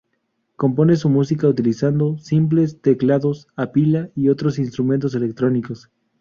Compone su música utilizando simples teclados a pila y otros instrumentos electrónicos.